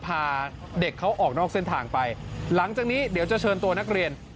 พาเด็กเขาออกนอกเส้นทางไปหลังจากนี้เดี๋ยวจะเชิญตัวนักเรียน